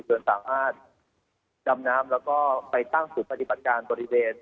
เจ้าหน้าที่สามารถดำน้ำแล้วก็ไปตั้งสู่ปฏิบัติการตรงดิเวณ